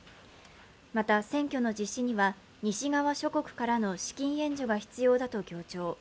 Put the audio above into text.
また、選挙の実施には西側諸国からの資金援助が必要だと強調。